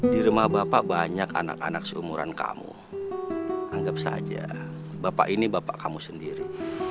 di rumah bapak banyak anak anak seumuran kamu anggap saja bapak ini bapak kamu sendiri